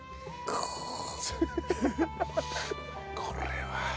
これは。